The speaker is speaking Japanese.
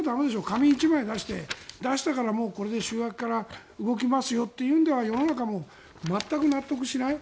紙１枚出して、出したから週明けから動きますよというのでは世の中も全く納得しない。